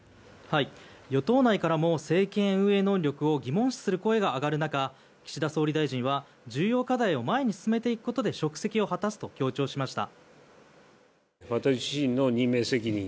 与党内からも政権運営能力を疑問視する声が上がる中岸田総理大臣は重要課題を前に進めていくことで職責を果たすと強調しました。